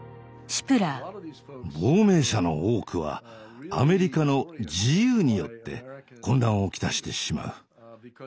亡命者の多くはアメリカの自由によって混乱を来してしまう。